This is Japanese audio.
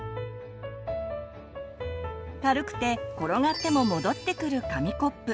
軽くて転がっても戻ってくる紙コップ。